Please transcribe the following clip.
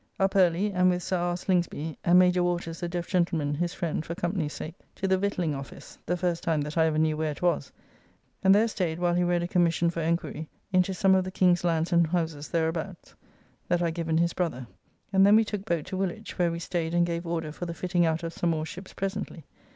Up early, and, with Sir R. Slingsby (and Major Waters the deaf gentleman, his friend, for company's sake) to the Victualling office (the first time that I ever knew where it was), and there staid while he read a commission for enquiry into some of the King's lands and houses thereabouts, that are given his brother. And then we took boat to Woolwich, where we staid and gave order for the fitting out of some more ships presently.